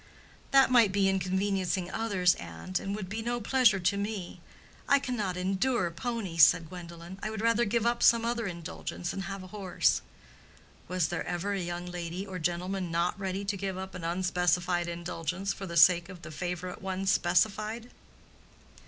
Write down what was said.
"That might be inconveniencing others, aunt, and would be no pleasure to me. I cannot endure ponies," said Gwendolen. "I would rather give up some other indulgence and have a horse." (Was there ever a young lady or gentleman not ready to give up an unspecified indulgence for the sake of the favorite one specified?)